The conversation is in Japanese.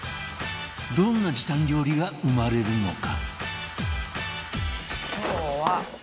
どんな時短料理が生まれるのか？